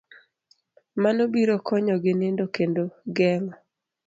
Mano biro konyogi nindo kendo geng'o